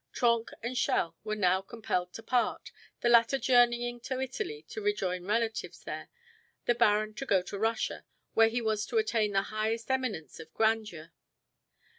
Trenck and Schell were now compelled to part, the latter journeying to Italy to rejoin relatives there, the baron to go to Russia, where he was to attain the highest eminence of grandeur.